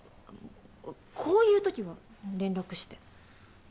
ここういうときは連絡して。